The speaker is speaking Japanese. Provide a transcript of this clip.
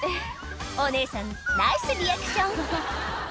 お姉さんナイスリアクション